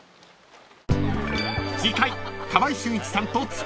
［次回］